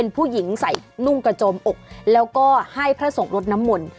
ผู้หญิงใส่นุ่งกระโจมอกแล้วก็ให้พระสงฆ์รดน้ำมนต์